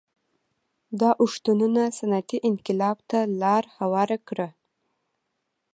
دا اوښتونونه صنعتي انقلاب ته لار هواره کړه